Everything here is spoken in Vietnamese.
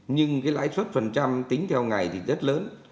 nhưng cái lãi suất phần trăm tính theo ngày thì rất lớn